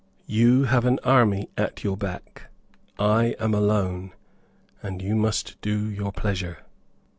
You have an army at your back; I am alone; and you must do your pleasure."